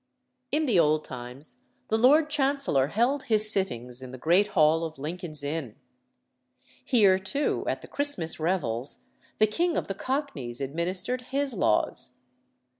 In the old times the Lord Chancellor held his sittings in the great hall of Lincoln's Inn. Here, too, at the Christmas revels, the King of the Cockneys administered his laws.